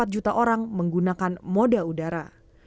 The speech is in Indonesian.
sembilan enam puluh empat juta orang menggunakan moda udara